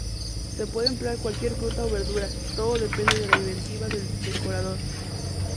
Se puede emplear cualquier fruta o verdura, todo depende de la inventiva del decorador.